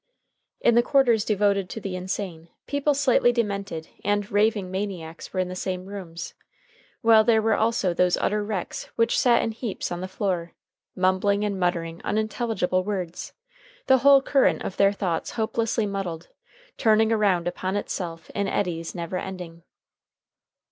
In the quarters devoted to the insane, people slightly demented and raving maniacs were in the same rooms, while there were also those utter wrecks which sat in heaps on the floor, mumbling and muttering unintelligible words, the whole current of their thoughts hopelessly muddled, turning around upon itself in eddies never ending.